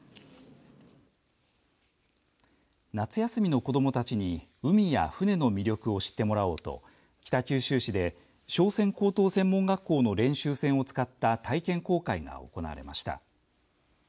夏休みの子どもたちに海や船の魅力を知ってもらおうと北九州市で商船高等専門学校の練習船を使った体験航海が行われました。